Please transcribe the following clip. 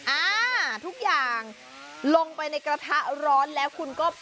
อ่าทุกอย่างลงไปในกระทะร้อนแล้วคุณก็